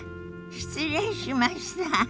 失礼しました。